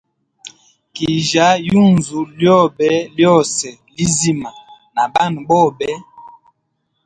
Kijya yunzu lyobe lyose lizima na bana bobe.